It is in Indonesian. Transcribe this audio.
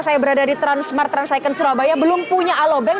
saya berada di transmart trans icon surabaya belum punya alobank